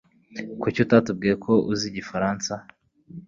Kuki utatubwiye ko uzi igifaransa?